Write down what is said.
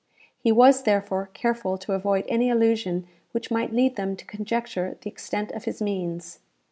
He was, therefore, careful to avoid any allusion which might lead them to conjecture the extent of his means.